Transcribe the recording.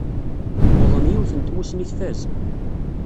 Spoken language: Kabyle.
Wwḍen yiwet n tmussni tfaz.